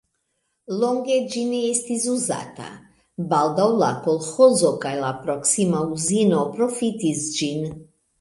Longe ĝi ne estis uzata, baldaŭ la kolĥozo kaj la proksima uzino profitis ĝin.